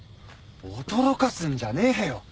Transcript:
驚かすんじゃねえよ。